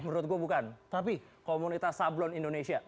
menurut gue bukan tapi komunitas sablon indonesia